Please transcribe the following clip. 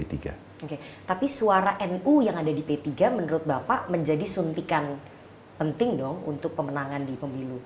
oke tapi suara nu yang ada di p tiga menurut bapak menjadi suntikan penting dong untuk pemenangan di pemilu